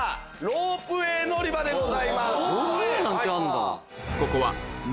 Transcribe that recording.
ロープウエー乗り場でございます。